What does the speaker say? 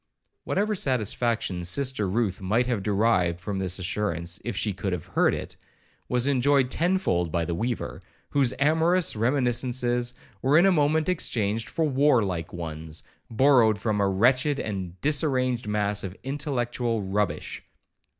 Whatever satisfaction Sister Ruth might have derived from this assurance, if she could have heard it, was enjoyed tenfold by the weaver, whose amorous reminiscences were in a moment exchanged for war like ones, borrowed from a wretched and disarranged mass of intellectual rubbish.